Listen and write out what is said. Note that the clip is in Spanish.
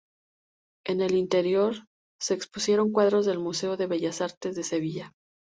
En el interior se expusieron cuadros del Museo de Bellas Artes de Sevilla.